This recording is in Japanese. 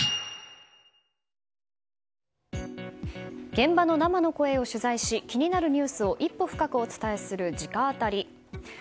現場の生の声を取材する気になるニュースを一歩深くお伝えする直アタリ。